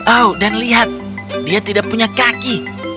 oh dan lihat dia tidak punya kaki